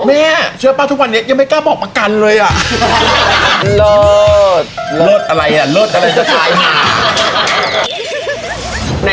แม่เชื่อป่ะทุกวันนี้ยังไม่กล้าบอกประกันเลยอะ